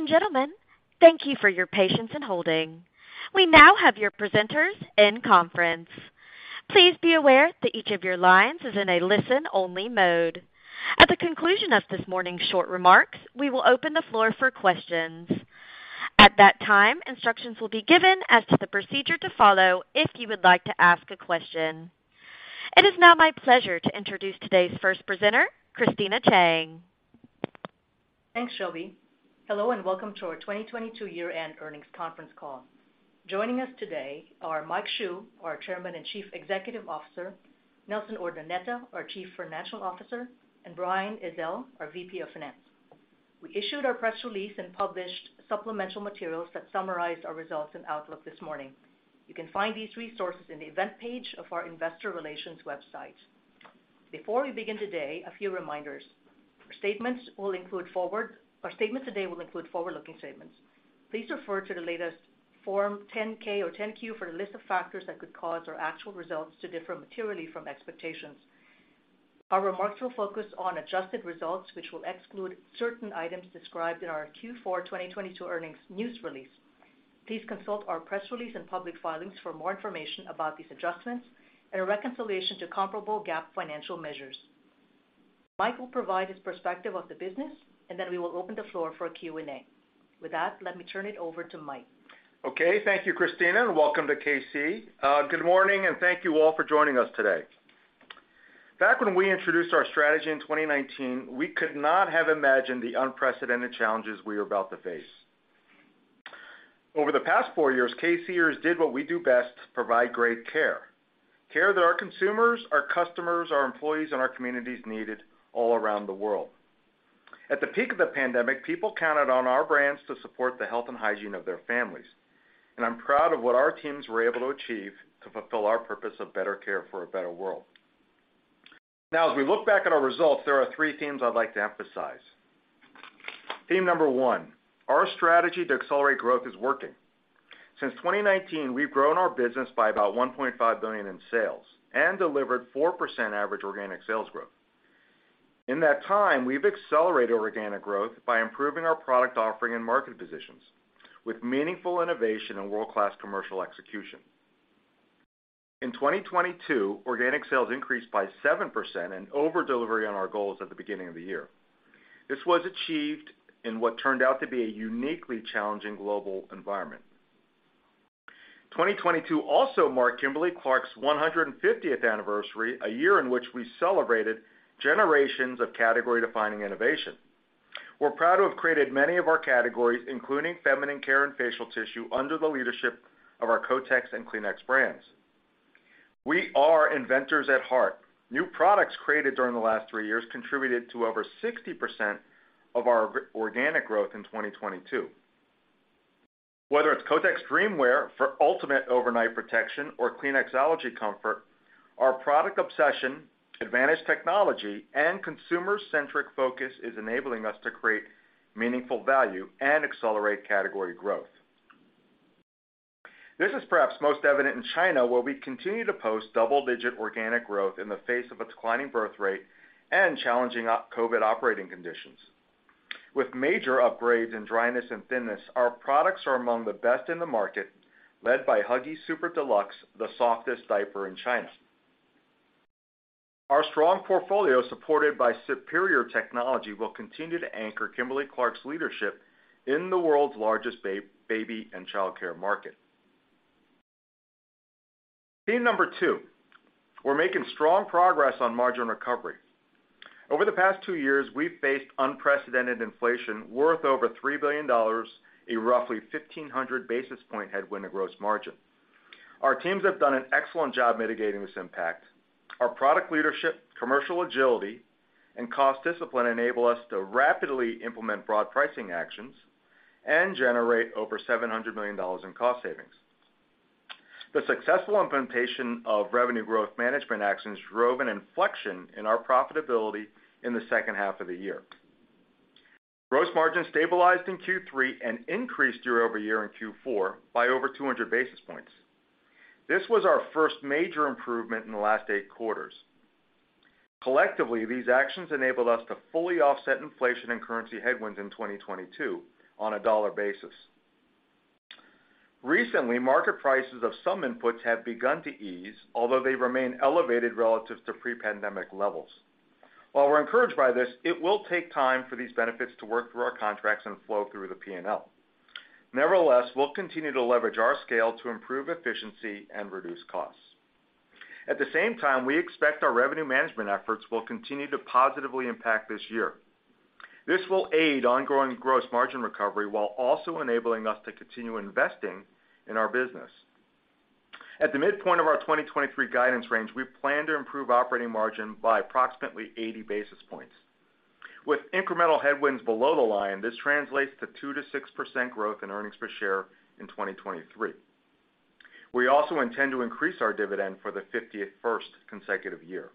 Ladies and gentlemen, thank you for your patience in holding. We now have your presenters in conference. Please be aware that each of your lines is in a listen only mode. At the conclusion of this morning's short remarks, we will open the floor for questions. At that time, instructions will be given as to the procedure to follow if you would like to ask a question. It is now my pleasure to introduce today's first presenter, Christina Chang. Thanks, Shelby. Welcome to our 2022 year-end earnings conference call. Joining us today are Mike Hsu, our Chairman and Chief Executive Officer, Nelson Urdaneta, our Chief Financial Officer, and Brian Ezel, our VP of Finance. We issued our press release and published supplemental materials that summarized our results and outlook this morning. You can find these resources in the event page of our investor relations website. Before we begin today, a few reminders. Our statements today will include forward-looking statements. Please refer to the latest Form 10-K or 10-Q for a list of factors that could cause our actual results to differ materially from expectations. Our remarks will focus on adjusted results, which will exclude certain items described in our Q4 2022 earnings news release. Please consult our press release and public filings for more information about these adjustments and a reconciliation to comparable GAAP financial measures. Mike will provide his perspective of the business, and then we will open the floor for Q&A. With that, let me turn it over to Mike. Okay. Thank you, Christina, and welcome to K-C. Good morning, and thank you all for joining us today. Back when we introduced our strategy in 2019, we could not have imagined the unprecedented challenges we were about to face. Over the past four years, K-Cers did what we do best, provide great care that our consumers, our customers, our employees, and our communities needed all around the world. At the peak of the pandemic, people counted on our brands to support the health and hygiene of their families, and I'm proud of what our teams were able to achieve to fulfill our purpose of better care for a better world. Now, as we look back at our results, there are three themes I'd like to emphasize. Theme number one, our strategy to accelerate growth is working. Since 2019, we've grown our business by about $1.5 billion in sales and delivered 4% average organic sales growth. In that time, we've accelerated organic growth by improving our product offering and market positions with meaningful innovation and world-class commercial execution. In 2022, organic sales increased by 7% in over-delivery on our goals at the beginning of the year. This was achieved in what turned out to be a uniquely challenging global environment. 2022 also marked Kimberly-Clark's 150th anniversary, a year in which we celebrated generations of category-defining innovation. We're proud to have created many of our categories, including feminine care and facial tissue, under the leadership of our Kotex and Kleenex brands. We are inventors at heart. New products created during the last three years contributed to over 60% of our organic growth in 2022. Whether it's Kotex Dreamwear for ultimate overnight protection or Kleenex Allergy Comfort, our product obsession, advanced technology, and consumer-centric focus is enabling us to create meaningful value and accelerate category growth. This is perhaps most evident in China, where we continue to post double-digit organic growth in the face of a declining birth rate and challenging COVID operating conditions. With major upgrades in dryness and thinness, our products are among the best in the market, led by Huggies Super Deluxe, the softest diaper in China. Our strong portfolio, supported by superior technology, will continue to anchor Kimberly-Clark's leadership in the world's largest baby and childcare market. Theme number two, we're making strong progress on margin recovery. Over the past two years, we've faced unprecedented inflation worth over $3 billion, a roughly 1,500 basis point headwind of gross margin. Our teams have done an excellent job mitigating this impact. Our product leadership, commercial agility, and cost discipline enable us to rapidly implement broad pricing actions and generate over $700 million in cost savings. The successful implementation of revenue growth management actions drove an inflection in our profitability in the second half of the year. Gross margin stabilized in Q3 and increased year-over-year in Q4 by over 200 basis points. This was our first major improvement in the last eight quarters. Collectively, these actions enabled us to fully offset inflation and currency headwinds in 2022 on a dollar basis. Recently, market prices of some inputs have begun to ease, although they remain elevated relative to pre-pandemic levels. While we're encouraged by this, it will take time for these benefits to work through our contracts and flow through the P&L. Nevertheless, we'll continue to leverage our scale to improve efficiency and reduce costs. At the same time, we expect our revenue management efforts will continue to positively impact this year. This will aid ongoing gross margin recovery while also enabling us to continue investing in our business. At the midpoint of our 2023 guidance range, we plan to improve operating margin by approximately 80 basis points. With incremental headwinds below the line, this translates to 2%-6% growth in earnings per share in 2023. We also intend to increase our dividend for the 51st consecutive year.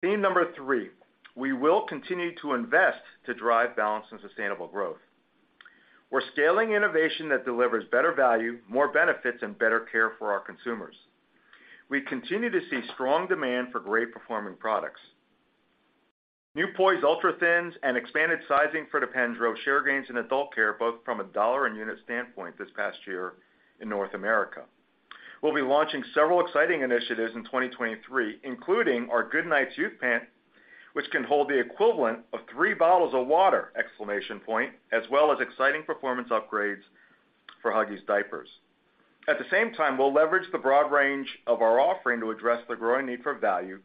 Theme number three, we will continue to invest to drive balanced and sustainable growth. We're scaling innovation that delivers better value, more benefits, and better care for our consumers. We continue to see strong demand for great performing products. New Poise Ultra Thins and expanded sizing for Depend drove share gains in adult care, both from a dollar and unit standpoint this past year in North America. We'll be launching several exciting initiatives in 2023, including our GoodNites Youth Pant, which can hold the equivalent of 3 bottles of water, exclamation point, as well as exciting performance upgrades for Huggies diapers. At the same time, we'll leverage the broad range of our offering to address the growing need for value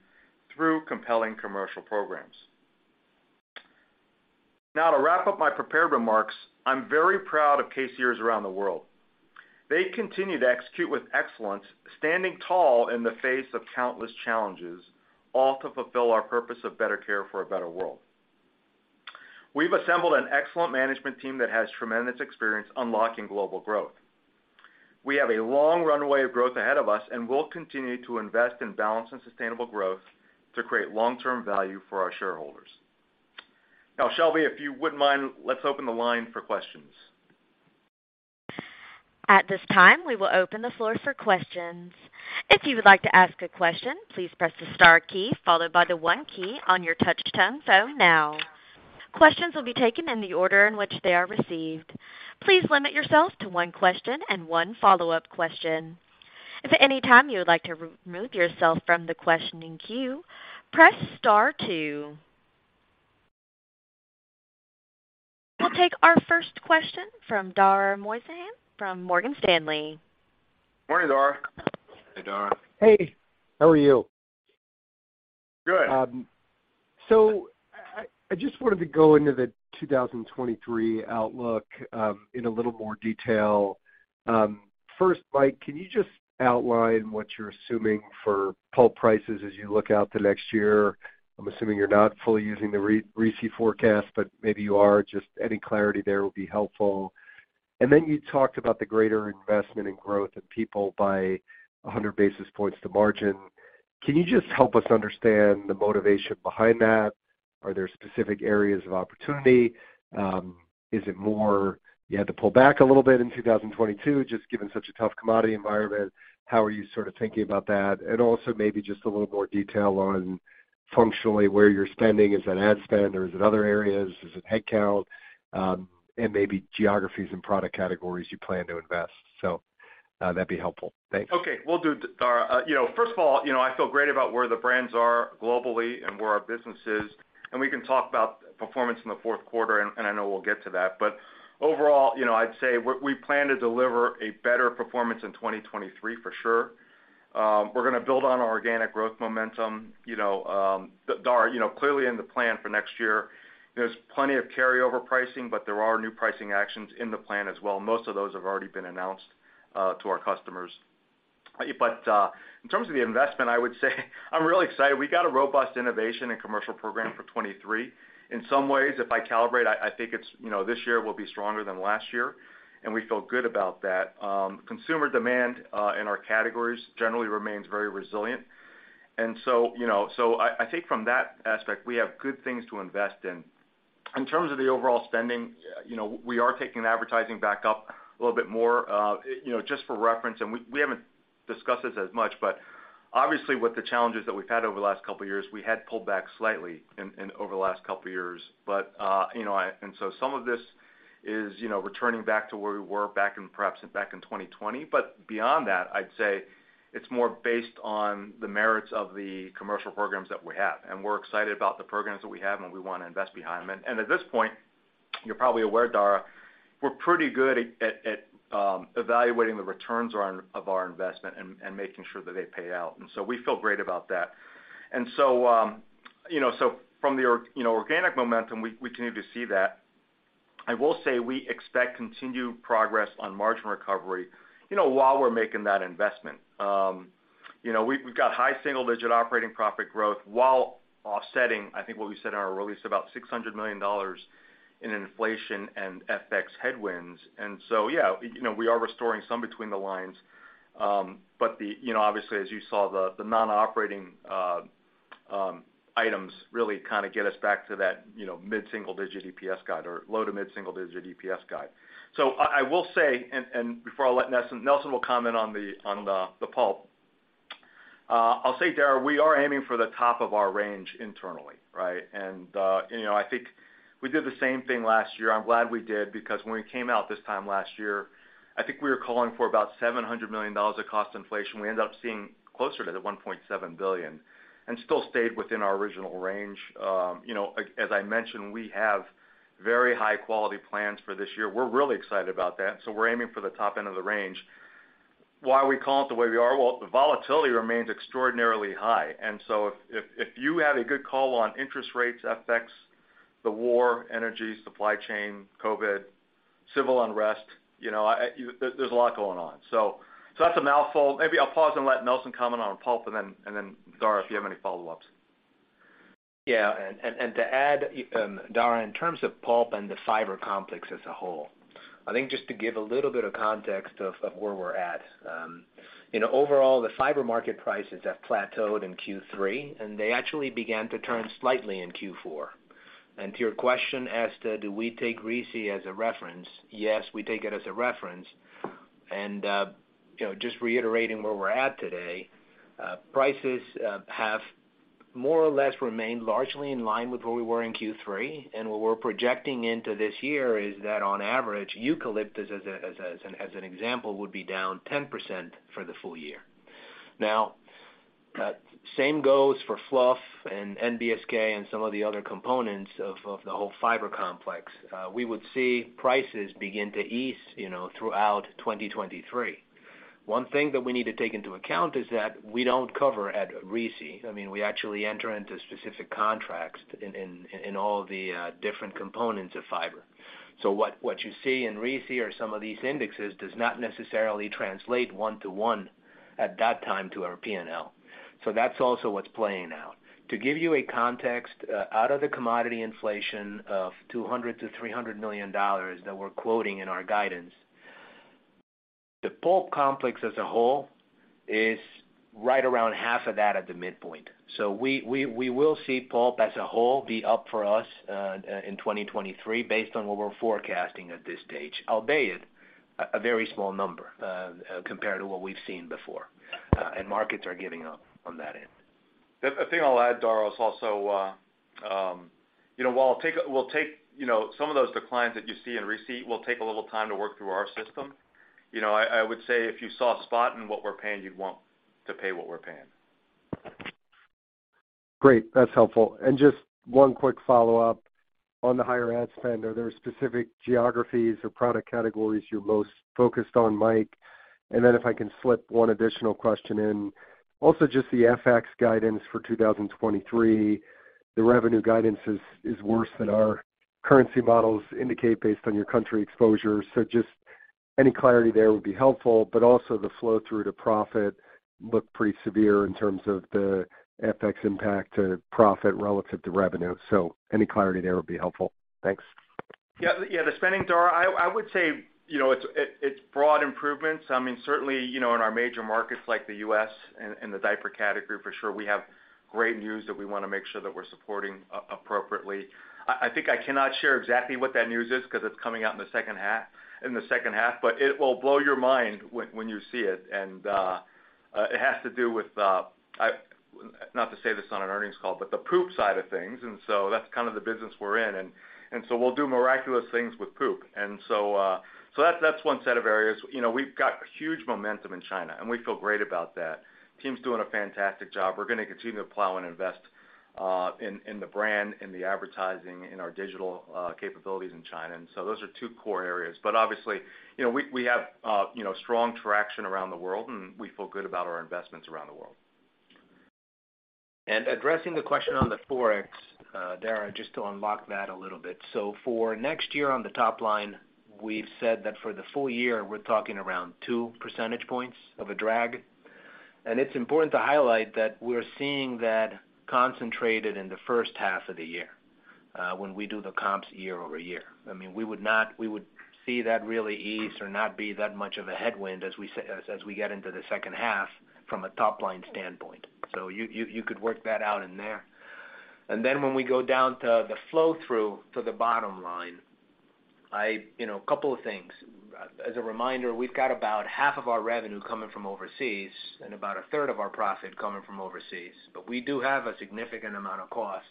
through compelling commercial programs. Now, to wrap up my prepared remarks, I'm very proud of K-Cers around the world. They continue to execute with excellence, standing tall in the face of countless challenges, all to fulfill our purpose of better care for a better world. We've assembled an excellent management team that has tremendous experience unlocking global growth. We have a long runway of growth ahead of us. We'll continue to invest in balanced and sustainable growth to create long-term value for our shareholders. Shelby, if you wouldn't mind, let's open the line for questions. At this time, we will open the floor for questions. If you would like to ask a question, please press the star key followed by the one key on your touchtone phone now. Questions will be taken in the order in which they are received. Please limit yourself to one question and one follow-up question. If at any time you would like to remove yourself from the questioning queue, press star two. We'll take our first question from Dara Mohsenian from Morgan Stanley. Morning, Dara. Hey, Dara. Hey, how are you? Good. I just wanted to go into the 2023 outlook in a little more detail. First, Mike, can you just outline what you're assuming for pulp prices as you look out to next year? I'm assuming you're not fully using the RISI forecast, but maybe you are. Just any clarity there would be helpful. Then you talked about the greater investment in growth and people by 100 basis points to margin. Can you just help us understand the motivation behind that? Are there specific areas of opportunity? Is it more you had to pull back a little bit in 2022, just given such a tough commodity environment? How are you sort of thinking about that? Also maybe just a little more detail on functionally where you're spending. Is that ad spend, or is it other areas? Is it headcount? Maybe geographies and product categories you plan to invest. That'd be helpful. Thanks. Okay. Will do, Dara. You know, first of all, you know, I feel great about where the brands are globally and where our business is, and we can talk about performance in the fourth quarter, and I know we'll get to that. Overall, you know, I'd say we plan to deliver a better performance in 2023 for sure. We're gonna build on our organic growth momentum. You know, Dara, you know, clearly in the plan for next year, there's plenty of carryover pricing, but there are new pricing actions in the plan as well. Most of those have already been announced to our customers. In terms of the investment, I would say I'm really excited. We got a robust innovation and commercial program for 23. In some ways, if I calibrate, I think it's this year will be stronger than last year, and we feel good about that. Consumer demand in our categories generally remains very resilient. I think from that aspect, we have good things to invest in. In terms of the overall spending, we are taking advertising back up a little bit more. Just for reference, and we haven't discussed this as much, but obviously, with the challenges that we've had over the last couple years, we had pulled back slightly over the last couple years. Some of this is returning back to where we were back in, perhaps back in 2020. Beyond that, I'd say it's more based on the merits of the commercial programs that we have, and we're excited about the programs that we have, and we wanna invest behind them. At this point, you're probably aware, Dara, we're pretty good at evaluating the returns of our investment and making sure that they pay out. We feel great about that. From the organic momentum, we continue to see that. I will say we expect continued progress on margin recovery, you know, while we're making that investment. We've got high single-digit operating profit growth while offsetting, I think what we said in our release, about $600 million in inflation and FX headwinds. Yeah, you know, we are restoring some between the lines. The, you know, obviously, as you saw, the non-operating items really kinda get us back to that, you know, mid-single digit EPS guide or low- to mid-single digit EPS guide. I will say, before I let Nelson comment on the pulp, I'll say, Dara, we are aiming for the top of our range internally, right? You know, I think we did the same thing last year. I'm glad we did, because when we came out this time last year, I think we were calling for about $700 million of cost inflation. We ended up seeing closer to $1.7 billion and still stayed within our original range. You know, as I mentioned, we have very high quality plans for this year. We're really excited about that, so we're aiming for the top end of the range. Why we call it the way we are? Well, the volatility remains extraordinarily high. If you had a good call on interest rates, FX, the war, energy, supply chain, COVID, civil unrest, you know, there's a lot going on. That's a mouthful. Maybe I'll pause and let Nelson comment on pulp and then, Dara, if you have any follow-ups. Yeah. To add, Dara, in terms of pulp and the fiber complex as a whole, I think just to give a little bit of context of where we're at. You know, overall, the fiber market prices have plateaued in Q3, and they actually began to turn slightly in Q4. To your question as to do we take RISI as a reference, yes, we take it as a reference. You know, just reiterating where we're at today, prices have more or less remained largely in line with where we were in Q3. What we're projecting into this year is that on average, eucalyptus, as a, as a, as an example, would be down 10% for the full-year. Now, same goes for fluff and NBSK and some of the other components of the whole fiber complex. We would see prices begin to ease, you know, throughout 2023. One thing that we need to take into account is that we don't cover at RISI. I mean, we actually enter into specific contracts in all the different components of fiber. What you see in RISI or some of these indexes does not necessarily translate one-to-one at that time to our P&L. That's also what's playing out. To give you a context, out of the commodity inflation of $200 million-$300 million that we're quoting in our guidance, the pulp complex as a whole is right around half of that at the midpoint. We will see pulp as a whole be up for us in 2023 based on what we're forecasting at this stage, albeit a very small number compared to what we've seen before. Markets are giving up on that end. The thing I'll add, Dara, is also, you know, while we'll take, you know, some of those declines that you see in receipt will take a little time to work through our system. You know, I would say if you saw spot in what we're paying, you'd want to pay what we're paying. Great. That's helpful. Just one quick follow-up on the higher ad spend. Are there specific geographies or product categories you're most focused on, Mike? If I can slip one additional question in. Also, just the FX guidance for 2023, the revenue guidance is worse than our currency models indicate based on your country exposure. Just any clarity there would be helpful, but also the flow through to profit looked pretty severe in terms of the FX impact to profit relative to revenue. Any clarity there would be helpful. Thanks. Yeah, yeah, the spending, Dara, I would say, you know, it's broad improvements. I mean, certainly, you know, in our major markets like the U.S. and the diaper category for sure, we have great news that we wanna make sure that we're supporting appropriately. I think I cannot share exactly what that news is because it's coming out in the second half, but it will blow your mind when you see it. It has to do with not to say this on an earnings call, but the poop side of things, that's kind of the business we're in. We'll do miraculous things with poop. So that's one set of areas. You know, we've got huge momentum in China, we feel great about that. Team's doing a fantastic job. We're gonna continue to plow and invest, in the brand, in the advertising, in our digital, capabilities in China. Those are two core areas. Obviously, you know, we have, you know, strong traction around the world, and we feel good about our investments around the world. Addressing the question on the Forex, Dara, just to unlock that a little bit. For next year on the top line, we've said that for the full-year, we're talking around 2 percentage points of a drag. It's important to highlight that we're seeing that concentrated in the first half of the year, when we do the comps year-over-year. I mean, we would see that really ease or not be that much of a headwind as we get into the second half from a top-line standpoint. You could work that out in there. Then when we go down to the flow through to the bottom line, you know, a couple of things. As a reminder, we've got about half of our revenue coming from overseas and about a third of our profit coming from overseas. We do have a significant amount of costs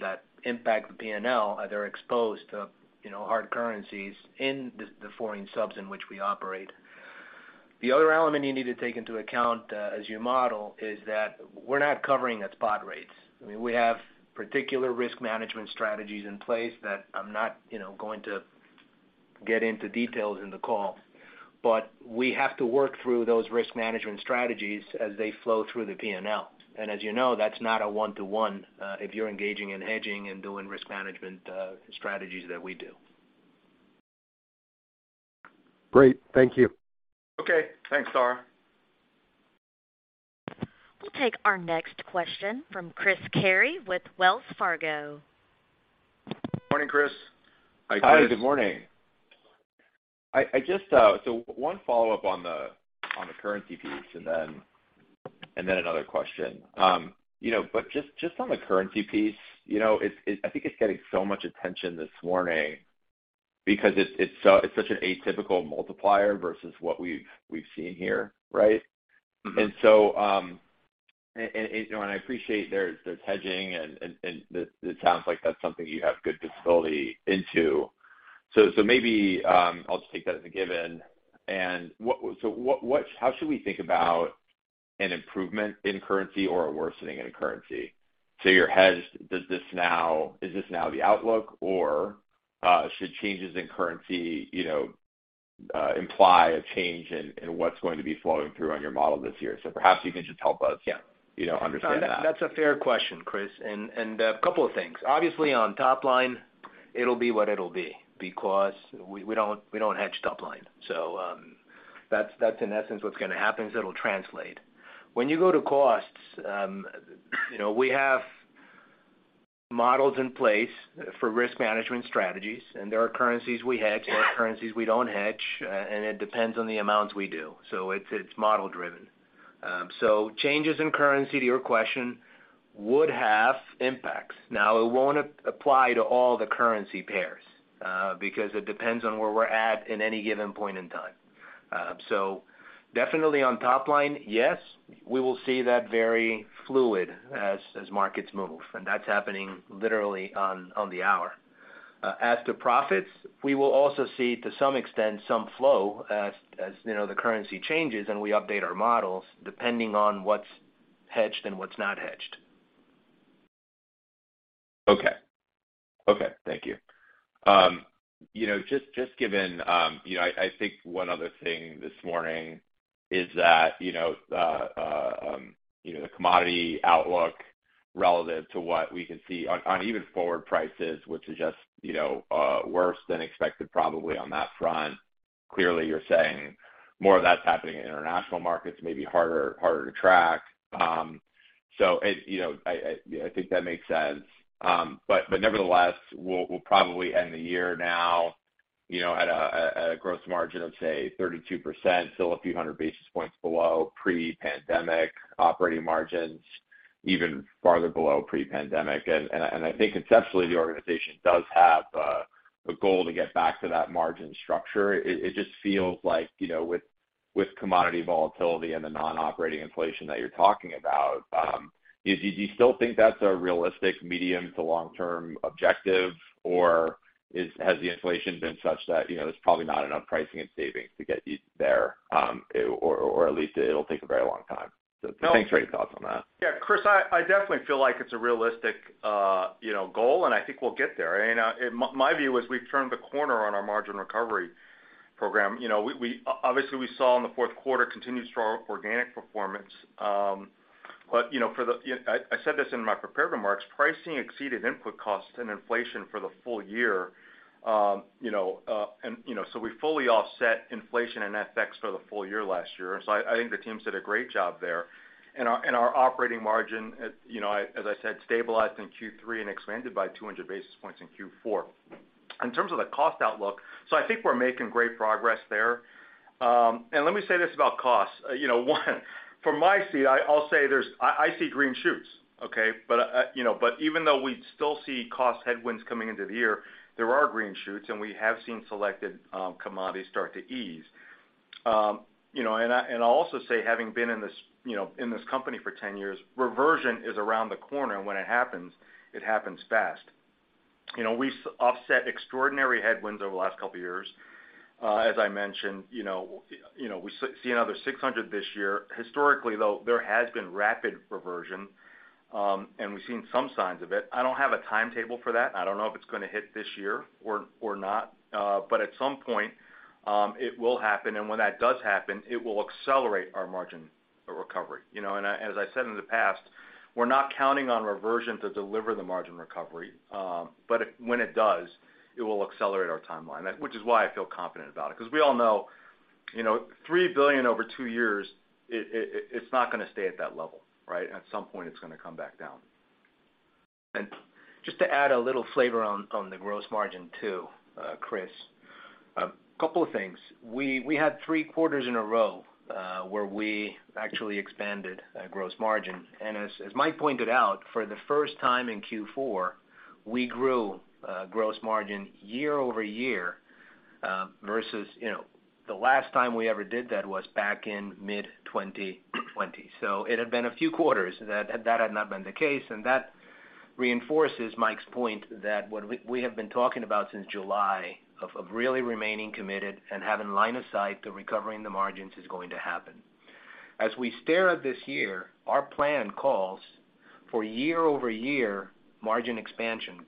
that impact the P&L. They're exposed to, you know, hard currencies in the foreign subs in which we operate. The other element you need to take into account as you model is that we're not covering at spot rates. I mean, we have particular risk management strategies in place that I'm not, you know, going to get into details in the call. We have to work through those risk management strategies as they flow through the P&L. As you know, that's not a one-to-one if you're engaging in hedging and doing risk management strategies that we do. Great. Thank you. Okay. Thanks, Dara. We'll take our next question from Chris Carey with Wells Fargo. Morning, Chris. Hi, Chris. Hi, good morning. I just one follow-up on the currency piece and then another question. You know, just on the currency piece, you know, it's, I think it's getting so much attention this morning because it's so, it's such an atypical multiplier versus what we've seen here, right? Mm-hmm. You know, and I appreciate there's hedging and it sounds like that's something you have good visibility into. So maybe, I'll just take that as a given. How should we think about an improvement in currency or a worsening in currency? You're hedge, is this now the outlook, or should changes in currency, you know, imply a change in what's going to be flowing through on your model this year? Perhaps you can just help us- Yeah. You know, understand that. That's a fair question, Chris. A couple of things. Obviously, on top line, it'll be what it'll be because we don't, we don't hedge top line. That's in essence what's gonna happen, is it'll translate. When you go to costs, you know, we have models in place for risk management strategies, and there are currencies we hedge, there are currencies we don't hedge, and it depends on the amounts we do. It's model driven. Changes in currency to your question would have impacts. It won't apply to all the currency pairs, because it depends on where we're at in any given point in time. Definitely on top line, yes, we will see that very fluid as markets move, and that's happening literally on the hour. As to profits, we will also see to some extent some flow as, you know, the currency changes and we update our models depending on what's hedged and what's not hedged. Okay. Okay. Thank you. You know, just given, you know, I think one other thing this morning is that, you know, the commodity outlook relative to what we can see on even forward prices, which is just, you know, worse than expected probably on that front. Clearly you're saying more of that's happening in international markets, maybe harder to track. You know, I, yeah, I think that makes sense. But nevertheless, we'll probably end the year now, you know, at a gross margin of, say, 32%, still a few hundred basis points below pre-pandemic operating margins, even farther below pre-pandemic. I think conceptually the organization does have the goal to get back to that margin structure. It just feels like, you know, with commodity volatility and the non-operating inflation that you're talking about, do you still think that's a realistic medium to long-term objective, or has the inflation been such that, you know, there's probably not enough pricing and savings to get y- there, or at least it'll take a very long time? Thanks for any thoughts on that. Yeah, Chris, I definitely feel like it's a realistic, you know, goal, and I think we'll get there. My view is we've turned the corner on our margin recovery program. You know, we obviously saw in the fourth quarter continued strong organic performance. You know, I said this in my prepared remarks, pricing exceeded input costs and inflation for the full-year. You know, we fully offset inflation and FX for the full-year last year. I think the teams did a great job there. Our operating margin, you know, as I said, stabilized in Q3 and expanded by 200 basis points in Q4. In terms of the cost outlook, I think we're making great progress there. And let me say this about costs. One, from my seat, I see green shoots, okay? Even though we still see cost headwinds coming into the year, there are green shoots, and we have seen selected commodities start to ease. And I'll also say having been in this company for ten years, reversion is around the corner, and when it happens, it happens fast. We offset extraordinary headwinds over the last couple of years. As I mentioned, we see another $600 this year. Historically, though, there has been rapid reversion, and we've seen some signs of it. I don't have a timetable for that. I don't know if it's gonna hit this year or not. At some point, it will happen. When that does happen, it will accelerate our margin recovery. You know, as I said in the past, we're not counting on reversion to deliver the margin recovery, when it does, it will accelerate our timeline. Which is why I feel confident about it, 'cause we all know, you know, $3 billion over two years, it's not gonna stay at that level, right? At some point, it's gonna come back down. Just to add a little flavor on the gross margin too, Chris, a couple of things. We had three quarters in a row where we actually expanded gross margin. As Mike pointed out, for the first time in Q4, we grew gross margin year-over-year, versus, you know, the last time we ever did that was back in mid-2020. It had been a few quarters that had not been the case, and that reinforces Mike's point that what we have been talking about since July of really remaining committed and having line of sight to recovering the margins is going to happen. As we stare at this year, our plan calls for year-over-year margin expansion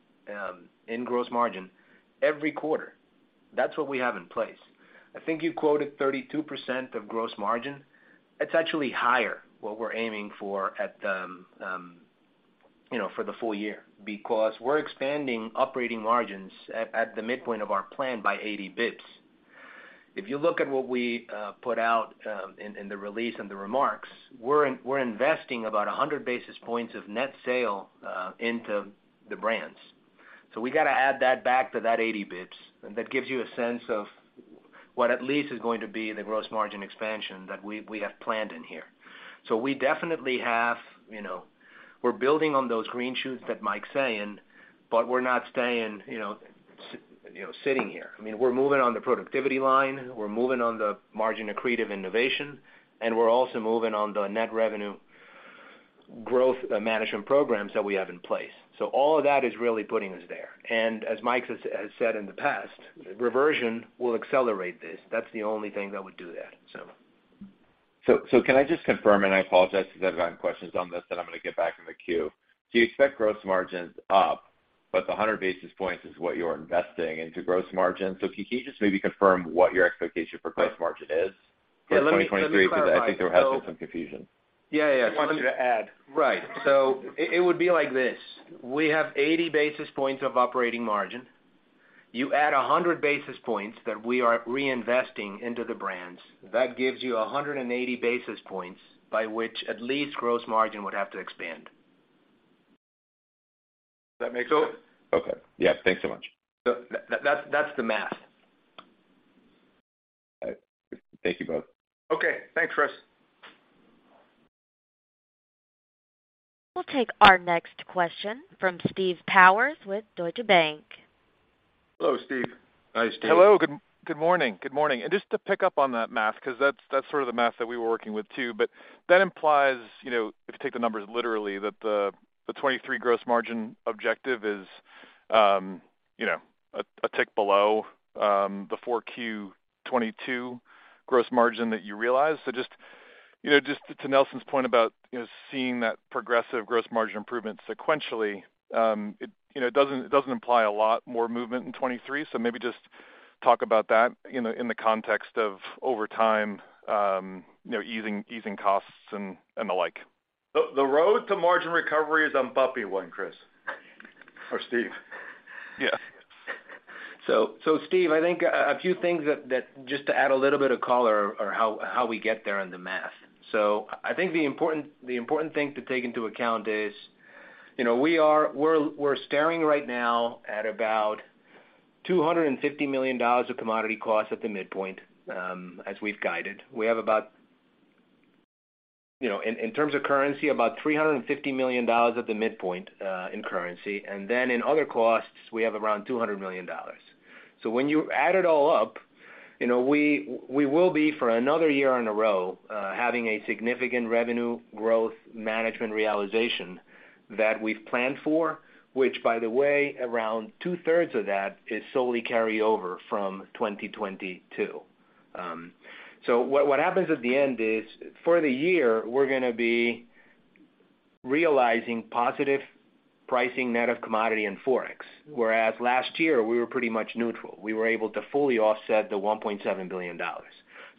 in gross margin every quarter. That's what we have in place. I think you quoted 32% of gross margin. It's actually higher what we're aiming for at, you know, for the full-year, because we're expanding operating margins at the midpoint of our plan by 80 BPS. If you look at what we put out in the release and the remarks, we're investing about 100 basis points of net sale into the brands. We gotta add that back to that 80 BPS, and that gives you a sense of what at least is going to be the gross margin expansion that we have planned in here. We definitely have, you know. We're building on those green shoots that Mike's saying, we're not staying, you know, sitting here. I mean, we're moving on the productivity line, we're moving on the margin accretive innovation, and we're also moving on the net revenue growth management programs that we have in place. All of that is really putting us there. As Mike has said in the past, reversion will accelerate this. That's the only thing that would do that. Can I just confirm, and I apologize to those that have questions on this that I'm gonna get back in the queue. Do you expect gross margins up, but the 100 basis points is what you're investing into gross margin? Can you just maybe confirm what your expectation for gross margin is for 2023? Because I think there has been some confusion. Yeah, yeah. I just want you to add. Right. It would be like this. We have 80 basis points of operating margin. You add 100 basis points that we are reinvesting into the brands, that gives you 180 basis points by which at least gross margin would have to expand. Does that make sense? Okay. Yeah. Thanks so much. That's the math. All right. Thank you both. Okay. Thanks, Chris. We'll take our next question from Steve Powers with Deutsche Bank. Hello, Steve. Hi, Steve. Hello. Good morning. Good morning. Just to pick up on that math, 'cause that's sort of the math that we were working with too, but that implies, you know, if you take the numbers literally, that the 23 gross margin objective is, you know, a tick below the 4Q 2022 gross margin that you realized. Just, you know, just to Nelson's point about, you know, seeing that progressive gross margin improvement sequentially, it, you know, it doesn't, it doesn't imply a lot more movement in 2023. Maybe just talk about that in the, in the context of over time, you know, easing costs and the like. The road to margin recovery is a bumpy one, Chris or Steve. Yeah. Steve, I think a few things that just to add a little bit of color on how we get there on the math. I think the important thing to take into account is, you know, we're staring right now at about $250 million of commodity costs at the midpoint as we've guided. We have about, you know, in terms of currency, about $350 million at the midpoint in currency. In other costs, we have around $200 million. When you add it all up, you know, we will be, for another year in a row, having a significant revenue growth management realization that we've planned for, which by the way, around two-thirds of that is solely carryover from 2022. What, what happens at the end is, for the year, we're gonna be realizing positive pricing net of commodity and Forex. Whereas last year, we were pretty much neutral. We were able to fully offset the $1.7 billion.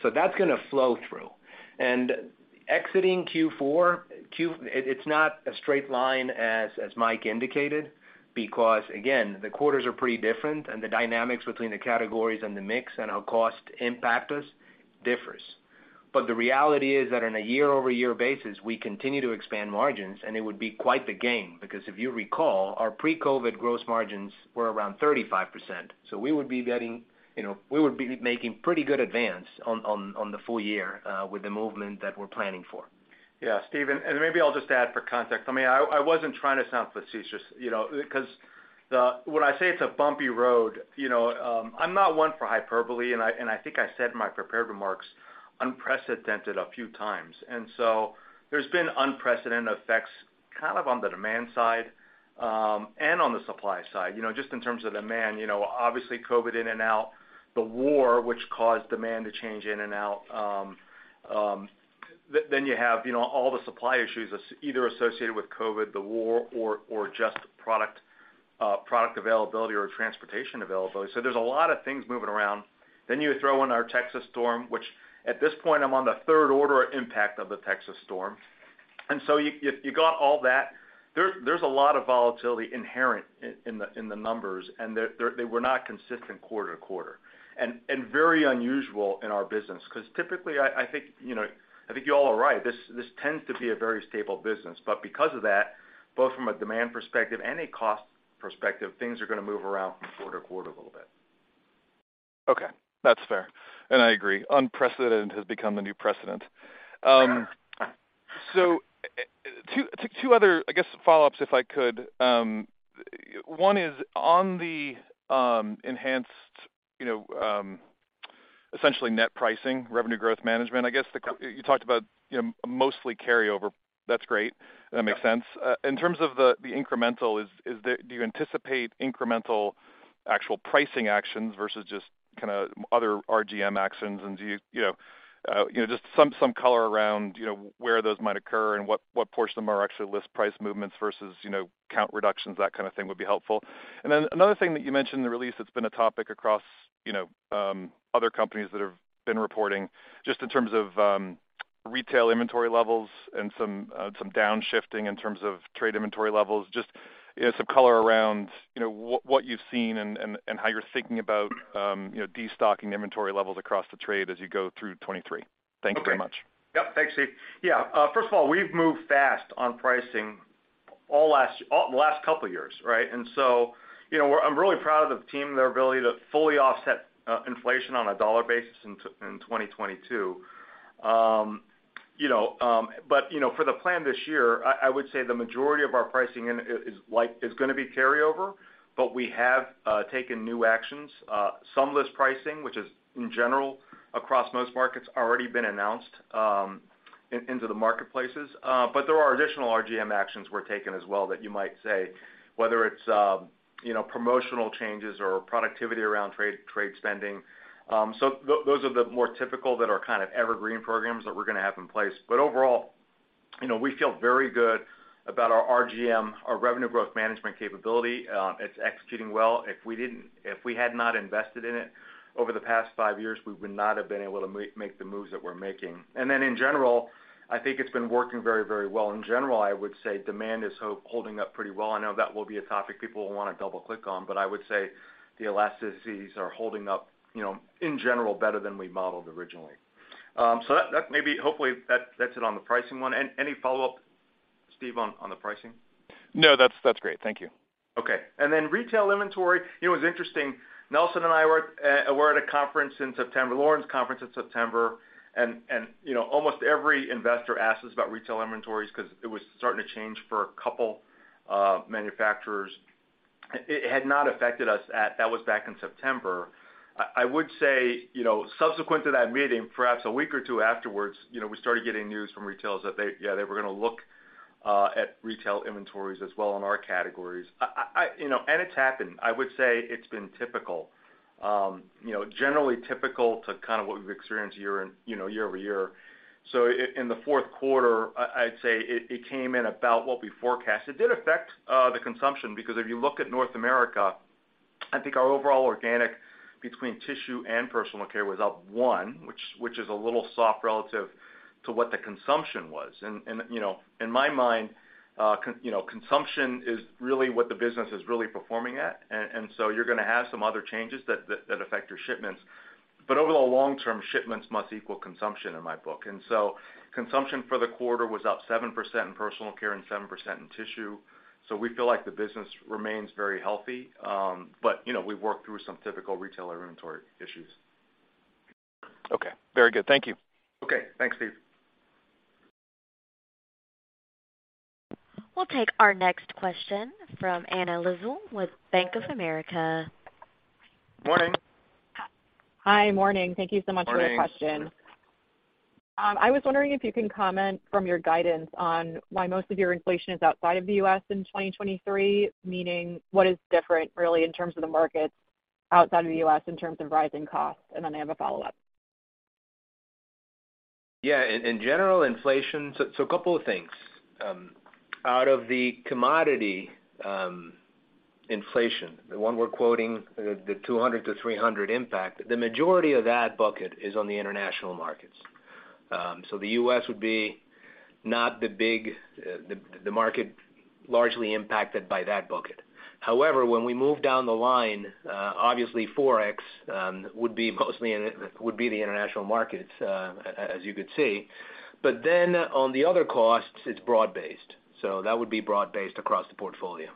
That's gonna flow through. Exiting Q4, it's not a straight line, as Mike indicated, because again, the quarters are pretty different and the dynamics between the categories and the mix and how cost impact us differs. The reality is that on a year-over-year basis, we continue to expand margins, and it would be quite the gain. Because if you recall, our pre-COVID gross margins were around 35%. We would be getting, you know, we would be making pretty good advance on, on the full-year, with the movement that we're planning for. Yeah, Steve, maybe I'll just add for context. I mean, I wasn't trying to sound facetious, you know, 'cause when I say it's a bumpy road, you know, I'm not one for hyperbole, and I think I said in my prepared remarks, unprecedented a few times. There's been unprecedented effects kind of on the demand side and on the supply side. You know, just in terms of demand, you know, obviously COVID in and out, the war, which caused demand to change in and out. Then you have, you know, all the supply issues as either associated with COVID, the war or just product availability or transportation availability. There's a lot of things moving around. You throw in our Texas Storm, which at this point, I'm on the third order impact of the Texas Storm. You got all that. There's a lot of volatility inherent in the numbers, and they were not consistent quarter to quarter, and very unusual in our business. 'Cause typically, I think, you know, I think you all are right. This tends to be a very stable business. Because of that, both from a demand perspective and a cost perspective, things are gonna move around from quarter to quarter a little bit. Okay. That's fair, and I agree. Unprecedented has become the new precedent. Two other, I guess, follow-ups, if I could. One is on the enhanced, you know, essentially net pricing, revenue growth management. Yeah. You talked about, you know, mostly carryover. That's great. Yeah. That makes sense. In terms of the incremental, do you anticipate incremental actual pricing actions versus just kinda other RGM actions? Do you know, just some color around, you know, where those might occur and what portion of them are actually list price movements versus, you know, count reductions, that kind of thing would be helpful. Then another thing that you mentioned in the release that's been a topic across, you know, other companies that have been reporting, just in terms of retail inventory levels and some downshifting in terms of trade inventory levels, just, you know, some color around, you know, what you've seen and how you're thinking about, you know, destocking inventory levels across the trade as you go through 2023. Thank you very much. Okay. Yep. Thanks, Steve. First of all, we've moved fast on pricing all the last couple years, right? I'm really proud of the team, their ability to fully offset inflation on a dollar basis in 2022. You know, for the plan this year, I would say the majority of our pricing is gonna be carryover, but we have taken new actions. Some list pricing, which is in general across most markets, already been announced into the marketplaces. There are additional RGM actions we're taking as well that you might say, whether it's, you know, promotional changes or productivity around trade spending. Those are the more typical that are kind of evergreen programs that we're gonna have in place. Overall, you know, we feel very good about our RGM, our revenue growth management capability. It's executing well. If we had not invested in it over the past five years, we would not have been able to make the moves that we're making. In general, I think it's been working very, very well. In general, I would say demand is holding up pretty well. I know that will be a topic people will wanna double-click on, but I would say the elasticities are holding up, you know, in general, better than we modeled originally. So that maybe hopefully that's it on the pricing one. Any follow-up, Steve, on the pricing? No, that's great. Thank you. Okay. Then retail inventory, you know, it was interesting, Nelson and I were at a conference in September, Lawrence Conference in September, and, you know, almost every investor asked us about retail inventories 'cause it was starting to change for a couple manufacturers. It had not affected us back in September. I would say, you know, subsequent to that meeting, perhaps a week or two afterwards, you know, we started getting news from retailers that they, yeah, they were gonna look at retail inventories as well in our categories. I, you know, and it's happened. I would say it's been typical. You know, generally typical to kind of what we've experienced year and, you know, year-over-year. In the fourth quarter, I'd say it came in about what we forecast. It did affect the consumption because if you look at North America, I think our overall organic between tissue and personal care was up one, which is a little soft relative to what the consumption was. You know, in my mind, you know, consumption is really what the business is really performing at. You're gonna have some other changes that affect your shipments. Overall long-term, shipments must equal consumption in my book. Consumption for the quarter was up 7% in personal care and 7% in tissue. We feel like the business remains very healthy, but, you know, we've worked through some typical retailer inventory issues. Okay. Very good. Thank you. Okay. Thanks, Steve. We'll take our next question from Anna Lizzul with Bank of America. Morning. Hi. Morning. Thank you so much- Morning for the question. I was wondering if you can comment from your guidance on why most of your inflation is outside of the U.S. in 2023, meaning what is different really in terms of the markets outside of the U.S. in terms of rising costs, and then I have a follow-up. Yeah. In general, a couple of things. Out of the commodity inflation, the one we're quoting, the 200-300 impact, the majority of that bucket is on the international markets. The U.S. would be not the big market largely impacted by that bucket. However, when we move down the line, obviously Forex would be mostly in it, would be the international markets, as you could see. On the other costs, it's broad-based. That would be broad-based across the portfolio,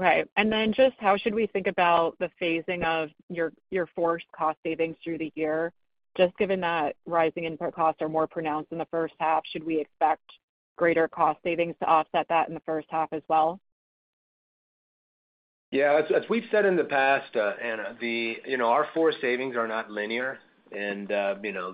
Anna. Okay. Just how should we think about the phasing of your FORCE cost savings through the year? Just given that rising input costs are more pronounced in the first half, should we expect greater cost savings to offset that in the first half as well? Yeah. As we've said in the past, Anna, you know, our FORCE savings are not linear, and, you know,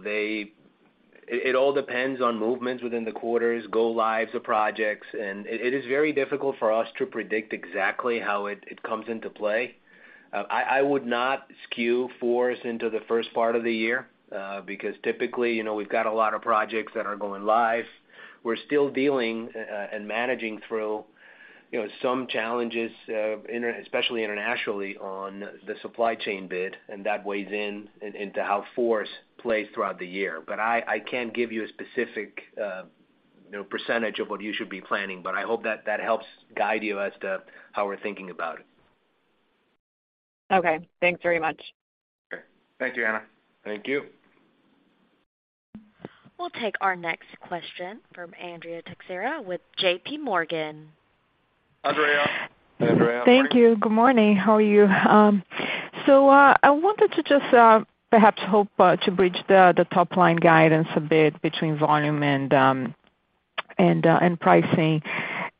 it all depends on movements within the quarters, go-lives of projects, and it is very difficult for us to predict exactly how it comes into play. I would not skew FORCE into the first part of the year, because typically, you know, we've got a lot of projects that are going live. We're still dealing and managing through, you know, some challenges, especially internationally on the supply chain bit, and that weighs into how FORCE plays throughout the year. I can't give you a specific, you know, percentage of what you should be planning, but I hope that that helps guide you as to how we're thinking about it. Okay. Thanks very much. Okay. Thank you, Anna. Thank you. We'll take our next question from Andrea Teixeira with JPMorgan. Andrea. Andrea. Thank you. Good morning. How are you? I wanted to just perhaps hope to bridge the top line guidance a bit between volume and and pricing.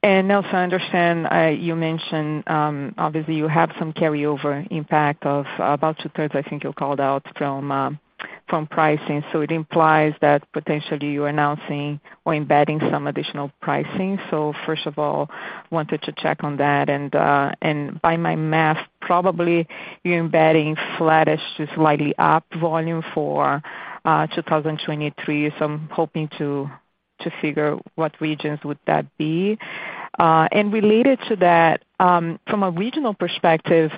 Nelson, I understand you mentioned obviously you have some carryover impact of about two-thirds, I think you called out from from pricing. It implies that potentially you're announcing or embedding some additional pricing. First of all, wanted to check on that. By my math, probably you're embedding flattish to slightly up volume for 2023. I'm hoping to figure what regions would that be. Related to that, from a regional perspective,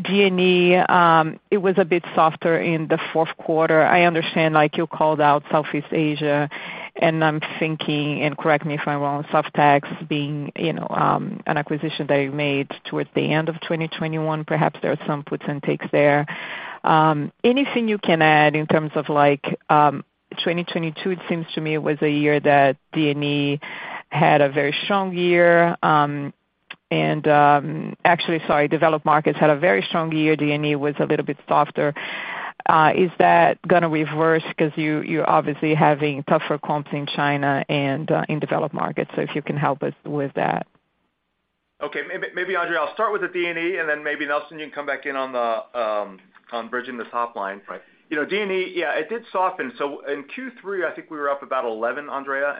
D&E, it was a bit softer in the fourth quarter. I understand, like you called out Southeast Asia, and I'm thinking, and correct me if I'm wrong, Softex being, you know, an acquisition that you made towards the end of 2021. Perhaps there are some puts and takes there. Anything you can add in terms of like, 2022, it seems to me, was a year that D&E had a very strong year. Actually, sorry, developed markets had a very strong year. D&E was a little bit softer. Is that gonna reverse 'cause you're obviously having tougher comps in China and, in developed markets? If you can help us with that. Okay. Maybe, Andrea, I'll start with the D&E, and then maybe, Nelson, you can come back in on the on bridging the top line. Right. You know, D&E, yeah, it did soften. In Q3, I think we were up about 11%, Andrea,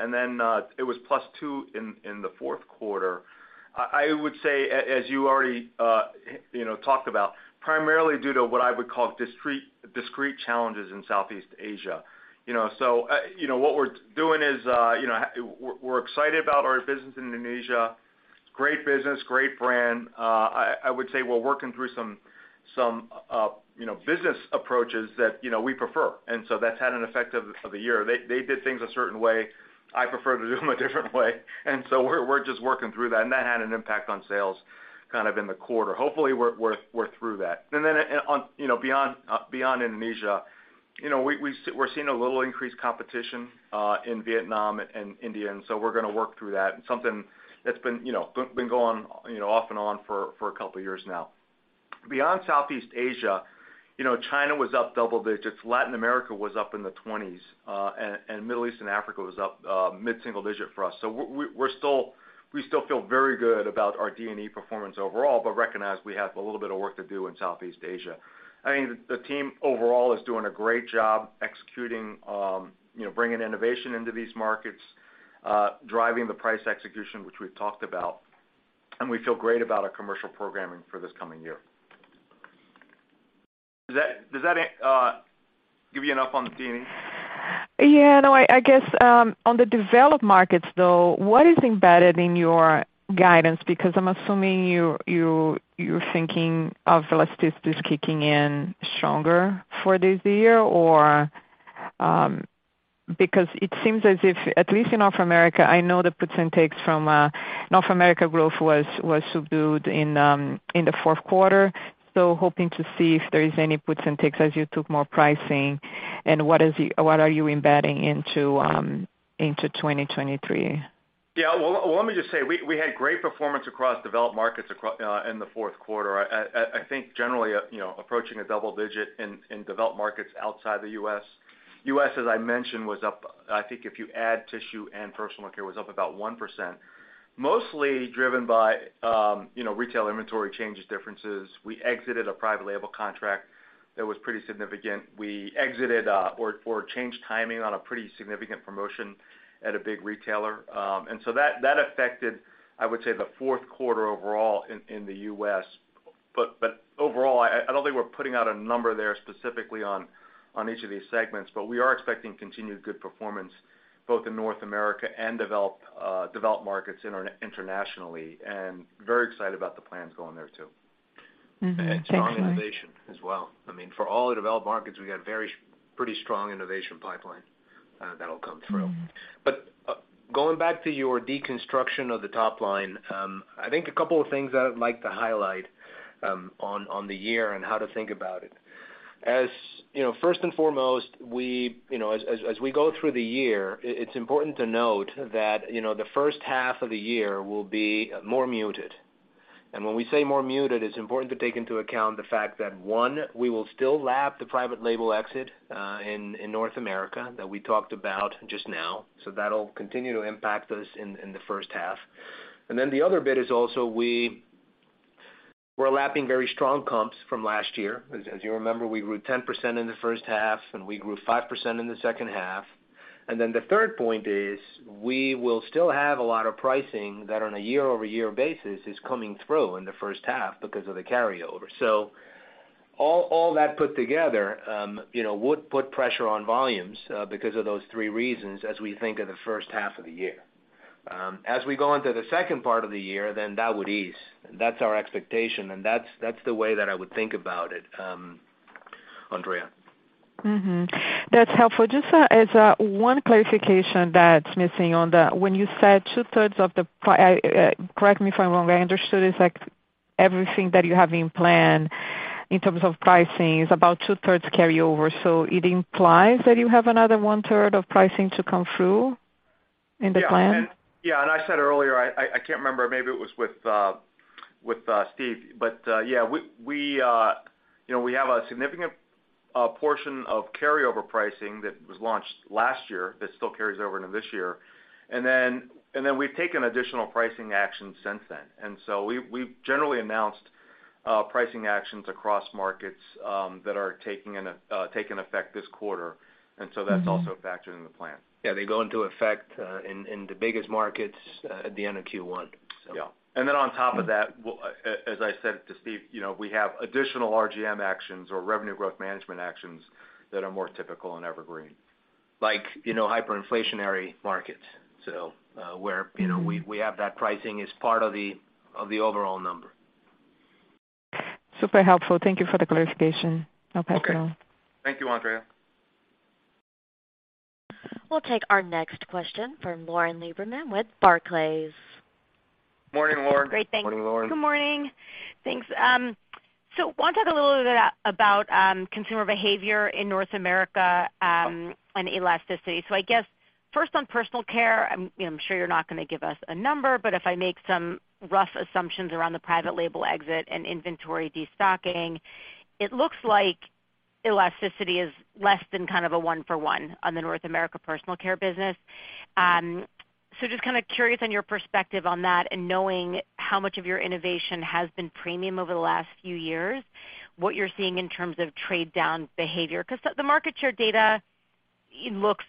it was +2% in the fourth quarter. I would say as you already, you know, talked about, primarily due to what I would call discrete challenges in Southeast Asia. You know, what we're doing is, you know, we're excited about our business in Indonesia. Great business, great brand. I would say we're working through some, you know, business approaches that, you know, we prefer. That's had an effect of the year. They did things a certain way. I prefer to do them a different way. We're just working through that, and that had an impact on sales kind of in the quarter. Hopefully we're through that. Then, on, you know, beyond Indonesia. You know, we're seeing a little increased competition in Vietnam and India, we're gonna work through that, and something that's been, you know, been going, you know, off and on for two years now. Beyond Southeast Asia, you know, China was up double digits. Latin America was up in the 20s, and Middle East and Africa was up mid-single digit for us. We still feel very good about our D&E performance overall, but recognize we have a little bit of work to do in Southeast Asia. I think the team overall is doing a great job executing, you know, bringing innovation into these markets, driving the price execution, which we've talked about, and we feel great about our commercial programming for this coming year. Does that give you enough on D&E? Yeah, no, I guess, on the developed markets, though, what is embedded in your guidance? Because I'm assuming you're thinking of Elasticity kicking in stronger for this year, or, because it seems as if, at least in North America, I know the puts and takes from North America growth was subdued in the fourth quarter, so hoping to see if there is any puts and takes as you took more pricing, and what are you embedding into 2023? Well let me just say, we had great performance across developed markets in the fourth quarter. I think generally, you know, approaching a double digit in developed markets outside the U.S. U.S., as I mentioned, was up, I think if you add tissue and personal care, was up about 1%, mostly driven by, you know, retail inventory changes, differences. We exited a private label contract that was pretty significant. We exited or changed timing on a pretty significant promotion at a big retailer. That affected, I would say, the fourth quarter overall in the U.S. Overall, I don't think we're putting out a number there specifically on each of these segments, but we are expecting continued good performance both in North America and developed markets internationally, and very excited about the plans going there too. Mm-hmm. Thanks so much. Strong innovation as well. I mean, for all the developed markets, we got pretty strong innovation pipeline that'll come through. Going back to your deconstruction of the top line, I think a couple of things that I'd like to highlight on the year and how to think about it. As, you know, first and foremost, we, you know, as, as we go through the year, it's important to note that, you know, the first half of the year will be more muted. When we say more muted, it's important to take into account the fact that, one we will still lap the private label exit in North America that we talked about just now, so that'll continue to impact us in the first half. The other bit is also we're lapping very strong comps from last year. As you remember, we grew 10% in the first half, and we grew 5% in the second half. The third point is we will still have a lot of pricing that on a year-over-year basis is coming through in the first half because of the carryover. All that put together, you know, would put pressure on volumes because of those three reasons as we think of the first half of the year. As we go into the second part of the year, that would ease. That's our expectation, and that's the way that I would think about it, Andrea. That's helpful. Just, as a one clarification that's missing on that. When you said two-thirds of the, correct me if I'm wrong, I understood it's like everything that you have in plan in terms of pricing is about two-thirds carryover. It implies that you have another one-third of pricing to come through in the plan? Yeah. Yeah, and I said earlier, I can't remember, maybe it was with Steve, but, yeah, we, you know, we have a significant portion of carryover pricing that was launched last year that still carries over into this year. Then, we've taken additional pricing action since then. So we've generally announced pricing actions across markets that are taking effect this quarter. So that's also a factor in the plan. Yeah, they go into effect, in the biggest markets, at the end of Q1, so. Yeah. Then on top of that, as I said to Steve, you know, we have additional RGM actions or revenue growth management actions that are more typical in Evergreen. Like, you know, hyperinflationary markets. Where, you know, we have that pricing as part of the overall number. Super helpful. Thank you for the clarification. I'll pass it on. Okay. Thank you, Andrea. We'll take our next question from Lauren Lieberman with Barclays. Morning, Lauren. Morning, Lauren. Great, thanks. Good morning. Thanks. Wanna talk a little bit about consumer behavior in North America and Elasticity. I guess, first, on personal care, I'm, you know, I'm sure you're not gonna give us a number, but if I make some rough assumptions around the private label exit and inventory destocking, it looks like Elasticity is less than kind of a one for one on the North America personal care business. Just kinda curious on your perspective on that and knowing how much of your innovation has been premium over the last few years, what you're seeing in terms of trade down behavior. 'Cause the market share data, it looks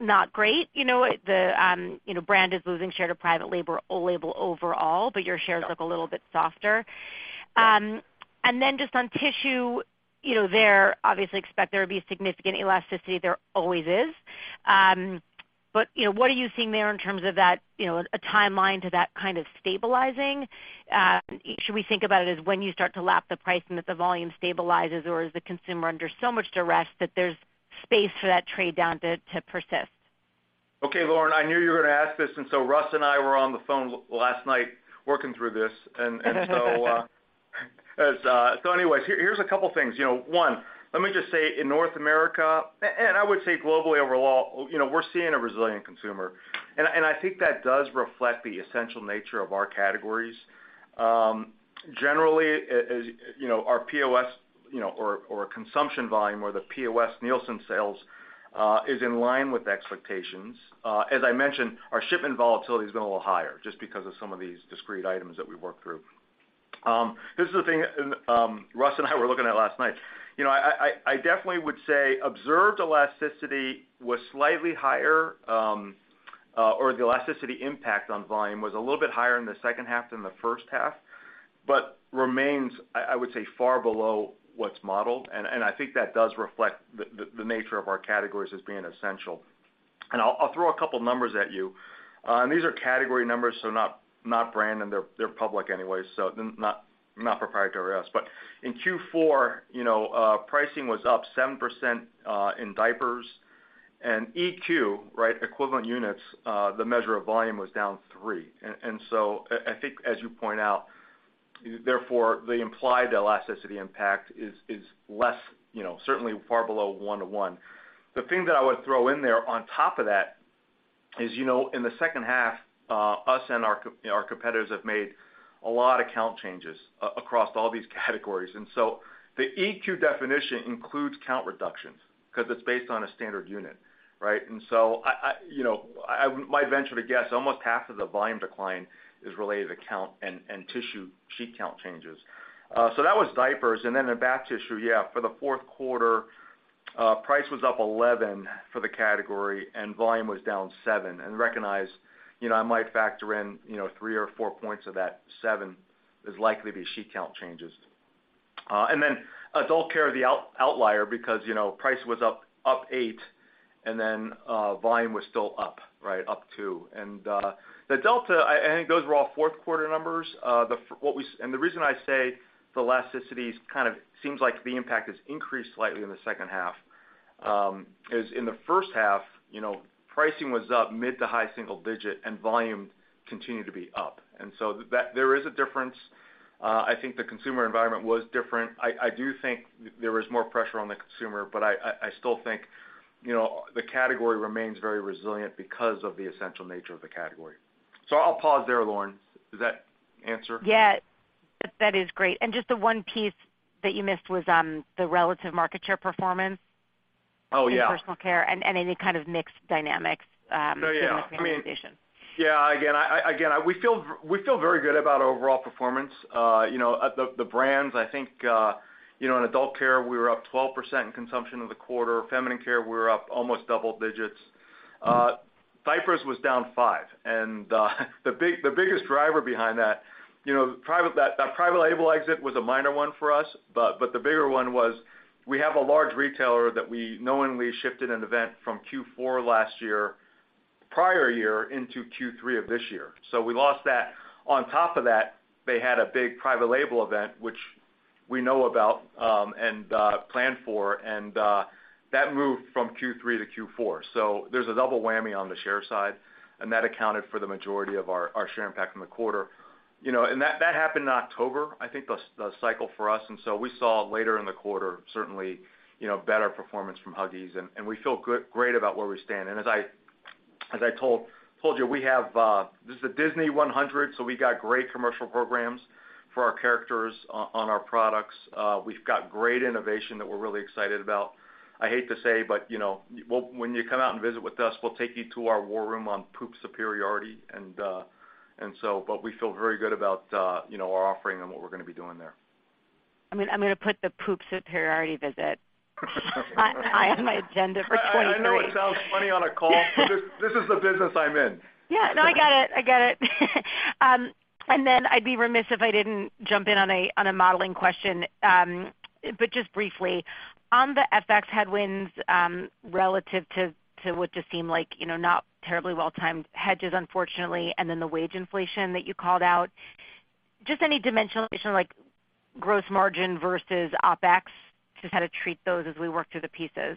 not great. You know, the, you know, brand is losing share to private label overall, but your shares look a little bit softer. Just on tissue, you know, there obviously expect there would be significant Elasticity. There always is. You know, what are you seeing there in terms of that, you know, a timeline to that kind of stabilizing? Should we think about it as when you start to lap the pricing that the volume stabilizes, or is the consumer under so much duress that there's space for that trade down to persist? Okay, Lauren, I knew you were gonna ask this. Russ and I were on the phone last night working through this. Anyways, here's a couple things. You know, one, let me just say, in North America, and I would say globally overall, you know, we're seeing a resilient consumer. I think that does reflect the essential nature of our categories. Generally, as, you know, our POS, you know, or consumption volume or the POS Nielsen sales, is in line with expectations. As I mentioned, our shipment volatility has been a little higher just because of some of these discrete items that we worked through. This is the thing Russ and I were looking at last night. You know, I definitely would say observed Elasticity was slightly higher, or the Elasticity impact on volume was a little bit higher in the second half than the first half, but remains I would say far below what's modeled. I think that does reflect the nature of our categories as being essential. I'll throw a couple numbers at you. These are category numbers, so not brand, they're public anyway, so not proprietary to us. In Q4, you know, pricing was up 7%, in diapers and EQ, right, equivalent units, the measure of volume was down three. So I think as you point out, therefore the implied Elasticity impact is less, you know, certainly far below one to one. The thing that I would throw in there on top of that is, you know, in the second half, us and our you know, our competitors have made a lot of count changes across all these categories. So the EQ definition includes count reductions 'cause it's based on a standard unit, right? So I, you know, my venture to guess, almost half of the volume decline is related to count and tissue sheet count changes. That was diapers. Then in bath tissue, yeah, for the fourth quarter, price was up eleven for the category and volume was down seven. Recognize, you know, I might factor in, you know, 3 or 4 points of that 7 is likely to be sheet count changes. Then adult care, the outlier because, you know, price was up eight and then volume was still up, right, up two. The delta, I think those were all fourth quarter numbers. What we... The reason I say the Elasticity is kind of seems like the impact has increased slightly in the second half is in the first half, you know, pricing was up mid to high single digit and volume continued to be up. There is a difference. I think the consumer environment was different. I do think there was more pressure on the consumer, but I still think, you know, the category remains very resilient because of the essential nature of the category. I'll pause there, Lauren. Does that answer? Yeah. That is great. Just the one piece that you missed was, the relative market share performance- Oh, yeah. In personal care and any kind of mixed dynamics, No, yeah. organization. Yeah. Again, we feel very good about our overall performance. You know, at the brands, I think, you know, in adult care, we were up 12% in consumption of the quarter. Feminine care, we were up almost double digits. Diapers was down 5%. The biggest driver behind that, you know, private label exit was a minor one for us, but the bigger one was we have a large retailer that we knowingly shifted an event from Q4 last year, prior year into Q3 of this year. We lost that. On top of that, they had a big private label event, which we know about, and planned for, and that moved from Q3 to Q4. There's a double whammy on the share side, and that accounted for the majority of our share impact in the quarter. You know, that happened in October, I think, the cycle for us. We saw later in the quarter, certainly, you know, better performance from Huggies, and we feel great about where we stand. As I told you, we have this is the Disney 100, so we got great commercial programs for our characters on our products. We've got great innovation that we're really excited about. I hate to say, but, you know, we'll. When you come out and visit with us, we'll take you to our war room on poop superiority and so. We feel very good about, you know, our offering and what we're gonna be doing there. I'm gonna put the poop superiority high on my agenda for 2023. I know it sounds funny on a call. Yeah. This is the business I'm in. Yeah. No, I get it. I get it. I'd be remiss if I didn't jump in on a modeling question. Just briefly, on the FX headwinds, relative to what just seemed like, you know, not terribly well timed hedges, unfortunately, and then the wage inflation that you called out, just any dimensional issue like gross margin versus OpEx? Just how to treat those as we work through the pieces.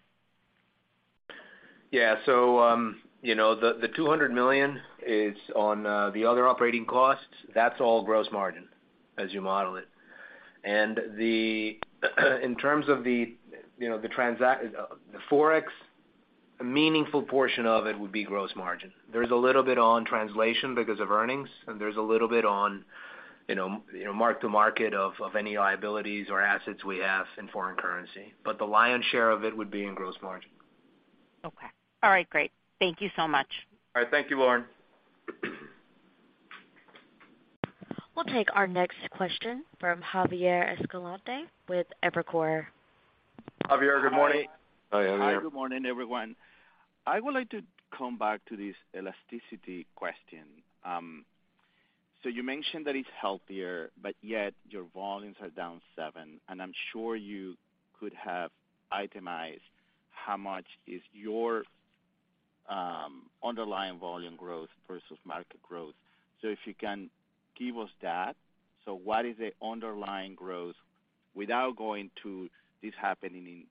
You know, the $200 million is on the other operating costs. That's all gross margin as you model it. In terms of the, you know, the Forex, a meaningful portion of it would be gross margin. There's a little bit on translation because of earnings, and there's a little bit on, you know, you know, mark to market of any liabilities or assets we have in foreign currency. The lion's share of it would be in gross margin. Okay. All right, great. Thank you so much. All right. Thank you, Lauren. We'll take our next question from Javier Escalante with Evercore. Javier, good morning. Hi. Hi, Javier. Hi. Good morning, everyone. I would like to come back to this Elasticity question. You mentioned that it's healthier, but yet your volumes are down seven, and I'm sure you could have itemized how much is your underlying volume growth versus market growth. If you can give us that, so what is the underlying growth? Without going to this happening in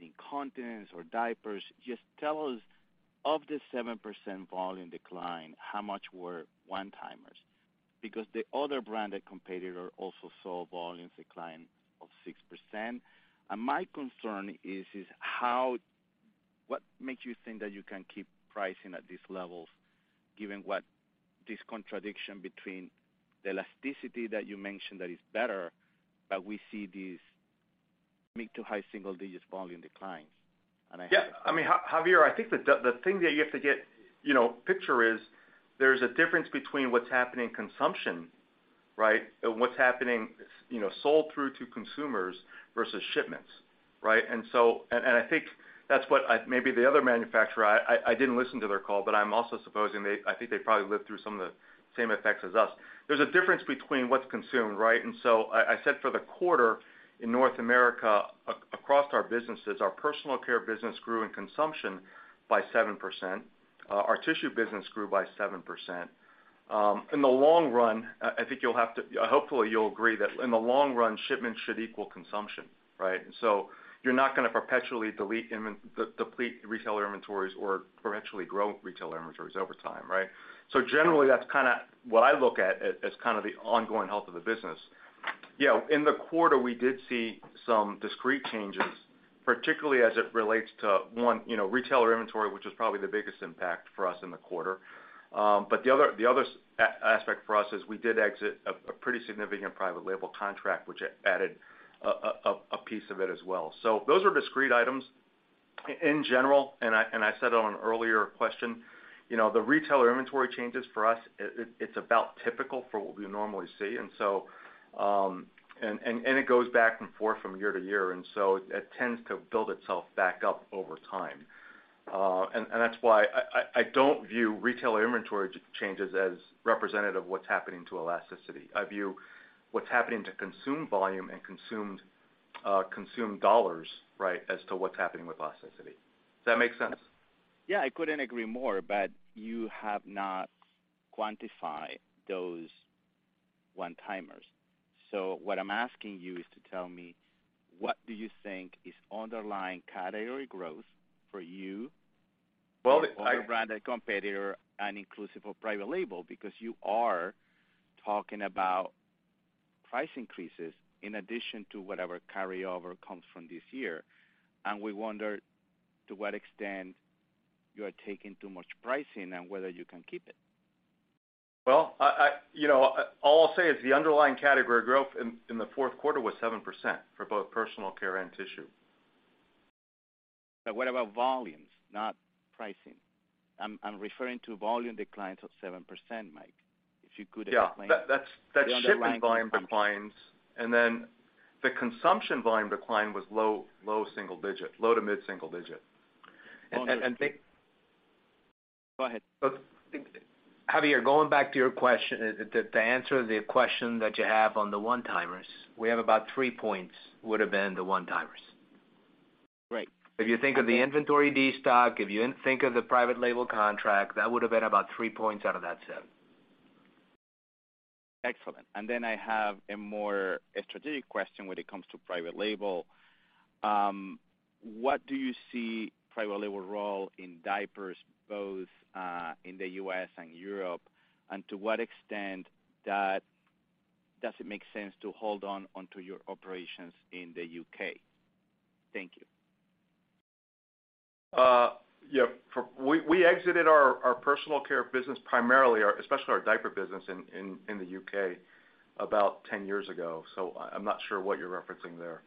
incontinence or diapers, just tell us of the 7% volume decline, how much were one-timers? The other branded competitor also saw volumes decline of 6%. My concern is, what makes you think that you can keep pricing at these levels given what this contradiction between the Elasticity that you mentioned that is better, but we see these mid to high single-digit volume declines. I have- Yeah, I mean, Javier, I think the thing that you have to get, you know, picture is there's a difference between what's happening in consumption, right? What's happening, you know, sold through to consumers versus shipments, right? Maybe the other manufacturer, I didn't listen to their call, but I'm also supposing they. I think they probably lived through some of the same effects as us. There's a difference between what's consumed, right? I said for the quarter in North America, across our businesses, our personal care business grew in consumption by 7%. Our tissue business grew by 7%. In the long run, I think you'll have to. Hopefully, you'll agree that in the long run, shipments should equal consumption, right? You're not gonna perpetually deplete retailer inventories or perpetually grow retailer inventories over time, right? Generally that's kinda what I look at as kind of the ongoing health of the business. You know, in the quarter, we did see some discrete changes, particularly as it relates to, one, you know, retailer inventory, which was probably the biggest impact for us in the quarter. The other aspect for us is we did exit a pretty significant private label contract, which added a piece of it as well. Those are discrete items. In general, and I said on an earlier question, you know, the retailer inventory changes for us, it's about typical for what we normally see. It goes back and forth from year to year, so it tends to build itself back up over time. That's why I don't view retailer inventory changes as representative of what's happening to Elasticity. I view what's happening to consumed volume and consumed dollars, right, as to what's happening with Elasticity. Does that make sense? Yeah, I couldn't agree more. You have not quantified those one-timers. What I'm asking you is to tell me, what do you think is underlying category growth for you? Well. For your branded competitor and inclusive of private label, because you are talking about price increases in addition to whatever carryover comes from this year. We wonder, to what extent you are taking too much pricing and whether you can keep it. Well, I, you know, all I'll say is the underlying category growth in the fourth quarter was 7% for both personal care and tissue. What about volumes, not pricing? I'm referring to volume declines of 7%, Mike. If you could explain- Yeah. That's. The underlying- Shipment volume declines, and then the consumption volume decline was low, low single digit, low to mid-single digit. Long as- And, and, and they- Go ahead. I think, Javier, going back to your question, the answer to the question that you have on the one-timers, we have about 3 points would have been the one-timers. Right. If you think of the inventory destock, if you think of the private label contract, that would've been about 3 points out of that 7. Excellent. I have a more strategic question when it comes to private label. What do you see private label role in diapers, both in the U.S. and Europe, and to what extent that doesn't make sense to hold onto your operations in the U.K.? Thank you. Yeah. We exited our personal care business, primarily especially our diaper business in the UK about ten years ago. I'm not sure what you're referencing there.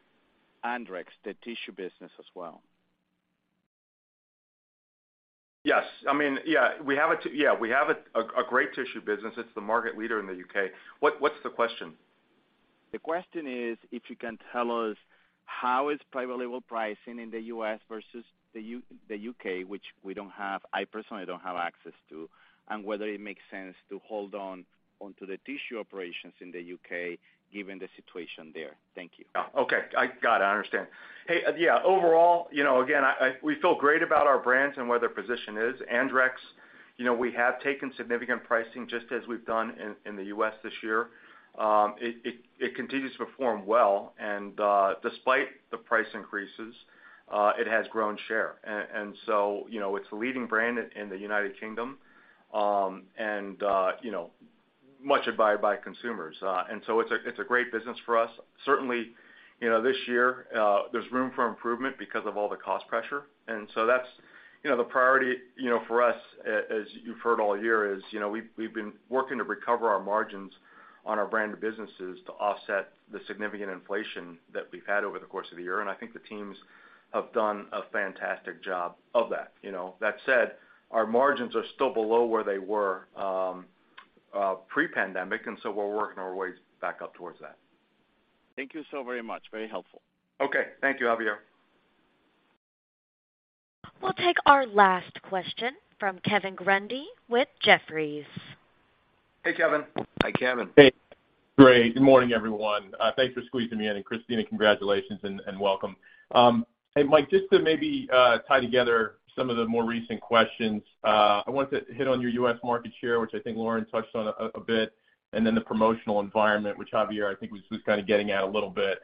Andrex, the tissue business as well. Yes. I mean, yeah, we have a great tissue business. It's the market leader in the U.K. What's the question? The question is, if you can tell us how is private label pricing in the U.S. versus the U.K., which we don't have, I personally don't have access to, and whether it makes sense to hold onto the tissue operations in the U.K. given the situation there. Thank you. Oh, okay. I got it. I understand. Hey, yeah, overall, you know, again, We feel great about our brands and where their position is. Andrex, you know, we have taken significant pricing, just as we've done in the U.S. this year. It continues to perform well. Despite the price increases, it has grown share. So, you know, it's a leading brand in the United Kingdom, and, you know, much admired by consumers. So it's a great business for us. Certainly, you know, this year, there's room for improvement because of all the cost pressure. That's, you know, the priority, you know, for us, as you've heard all year, is, you know, we've been working to recover our margins on our brand of businesses to offset the significant inflation that we've had over the course of the year, and I think the teams have done a fantastic job of that, you know. That said, our margins are still below where they were pre-pandemic, and so we're working our way back up towards that. Thank you so very much. Very helpful. Okay. Thank you, Javier. We'll take our last question from Kevin Grundy with Jefferies. Hey, Kevin. Hi, Kevin. Hey. Great. Good morning, everyone. Thanks for squeezing me in. Christina, congratulations and welcome. Hey, Mike, just to maybe tie together some of the more recent questions, I wanted to hit on your U.S. market share, which I think Lauren touched on a bit. Then the promotional environment, which Javier, I think was kind of getting at a little bit.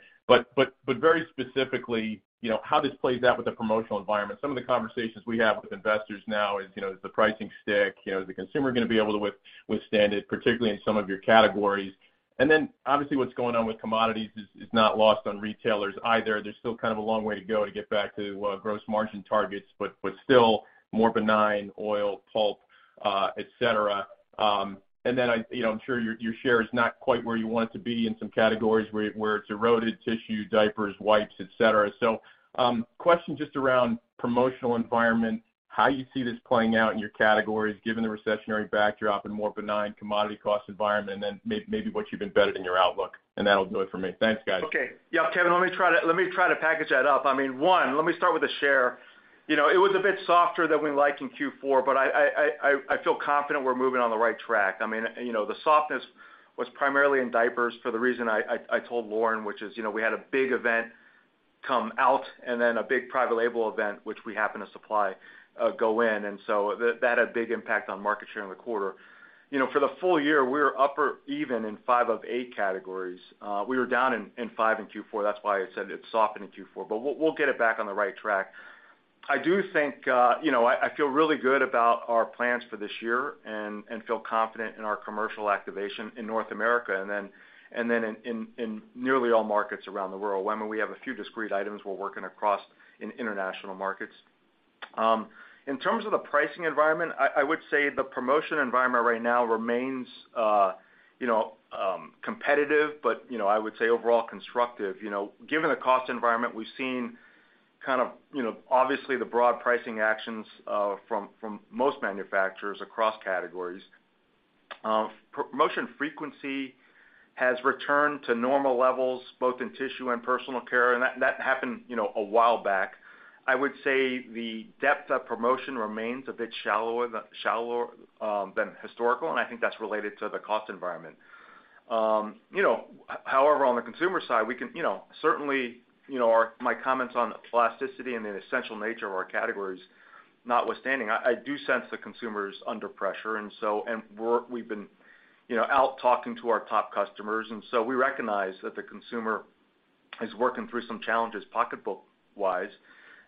Very specifically, you know, how this plays out with the promotional environment. Some of the conversations we have with investors now is, you know, does the pricing stick? You know, is the consumer gonna be able to withstand it, particularly in some of your categories? Then, obviously, what's going on with commodities is not lost on retailers either. There's still kind of a long way to go to get back to gross margin targets, but still more benign oil, pulp, et cetera. I, you know, I'm sure your share is not quite where you want it to be in some categories, where it's eroded, tissue, diapers, wipes, et cetera. Question just around promotional environment, how you see this playing out in your categories, given the recessionary backdrop and more benign commodity cost environment, and then maybe what you've embedded in your outlook, and that'll do it for me. Thanks, guys. Okay. Yeah, Kevin, let me try to package that up. I mean, one, let me start with the share. You know, it was a bit softer than we like in Q4, but I feel confident we're moving on the right track. I mean, you know, the softness was primarily in diapers for the reason I told Lauren, which is, you know, we had a big event come out and then a big private label event, which we happen to supply, go in. That had big impact on market share in the quarter. You know, for the full-year, we're upper even in 5 of 8 categories. We were down in 5 in Q4, that's why I said it softened in Q4. We'll get it back on the right track. I do think, you know, I feel really good about our plans for this year and feel confident in our commercial activation in North America. In nearly all markets around the world. I mean, we have a few discrete items we're working across in international markets. In terms of the pricing environment, I would say the promotion environment right now remains, you know, competitive, but, you know, I would say overall constructive. You know, given the cost environment, we've seen kind of, you know, obviously the broad pricing actions from most manufacturers across categories. Promotion frequency has returned to normal levels, both in tissue and personal care, and that happened, you know, a while back. I would say the depth of promotion remains a bit shallower than historical, and I think that's related to the cost environment. However, on the consumer side, we can, you know, certainly, my comments on Elasticity and the essential nature of our categories notwithstanding, I do sense the consumer's under pressure. We've been, you know, out talking to our top customers, and so we recognize that the consumer is working through some challenges pocketbook-wise.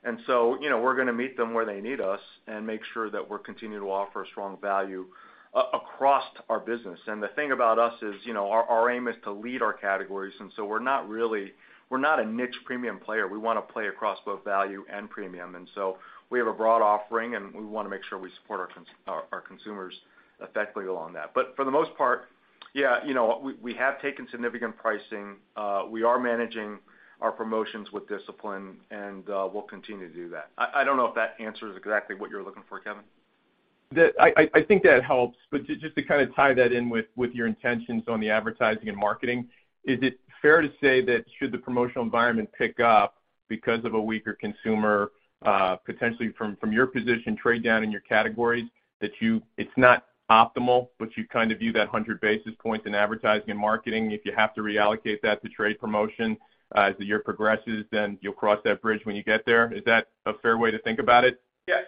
We're gonna meet them where they need us and make sure that we're continuing to offer a strong value across our business. The thing about us is, you know, our aim is to lead our categories, and so we're not a niche premium player. We wanna play across both value and premium. We have a broad offering, and we wanna make sure we support our consumers effectively along that. For the most part, yeah, you know, we have taken significant pricing. We are managing our promotions with discipline, and we'll continue to do that. I don't know if that answers exactly what you're looking for, Kevin. I think that helps. Just to kinda tie that in with your intentions on the advertising and marketing, is it fair to say that should the promotional environment pick up because of a weaker consumer, potentially from your position trade down in your categories, it's not optimal, but you kind of view that 100 basis points in advertising and marketing, if you have to reallocate that to trade promotion, as the year progresses, then you'll cross that bridge when you get there. Is that a fair way to think about it?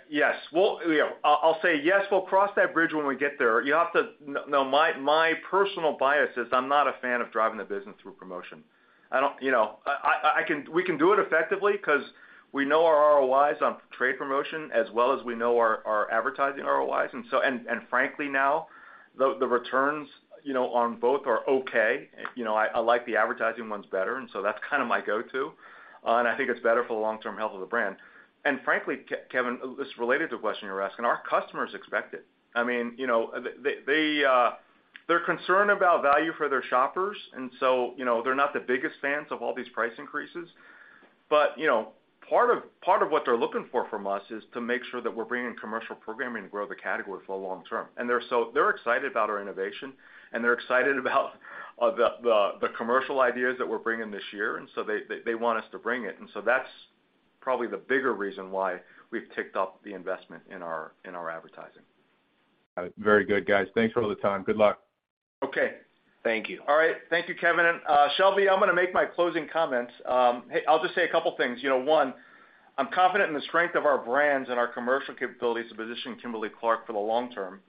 Yes. You know, I'll say yes, we'll cross that bridge when we get there. No, my personal bias is I'm not a fan of driving the business through promotion. You know, we can do it effectively 'cause we know our ROIs on trade promotion as well as we know our advertising ROIs. Frankly now, the returns, you know, on both are okay. You know, I like the advertising ones better, and so that's kind of my go-to, and I think it's better for the long-term health of the brand. Frankly, Kevin, this is related to the question you're asking, our customers expect it. I mean, you know, they're concerned about value for their shoppers, you know, they're not the biggest fans of all these price increases. You know, part of what they're looking for from us is to make sure that we're bringing commercial programming to grow the category for the long-term. They're excited about our innovation, and they're excited about the commercial ideas that we're bringing this year. They want us to bring it. That's probably the bigger reason why we've ticked up the investment in our advertising. Got it. Very good, guys. Thanks for all the time. Good luck. Okay. Thank you. All right. Thank you, Kevin. Shelby, I'm gonna make my closing comments. Hey, I'll just say a couple things. You know, one, I'm confident in the strength of our brands and our commercial capabilities to position Kimberly-Clark for the long-term.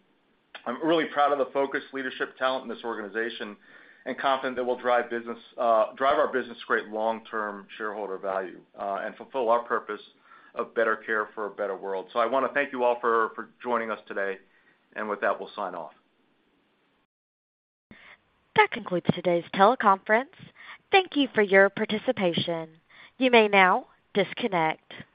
I'm really proud of the focused leadership talent in this organization and confident that we'll drive our business to create long-term shareholder value and fulfill our purpose of better care for a better world. I wanna thank you all for joining us today. With that, we'll sign off. That concludes today's teleconference. Thank you for your participation. You may now disconnect.